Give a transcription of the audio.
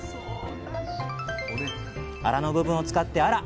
アラの部分を使ってアラ！